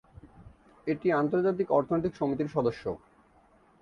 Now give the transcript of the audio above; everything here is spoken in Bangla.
এটি আন্তর্জাতিক অর্থনৈতিক সমিতির সদস্য।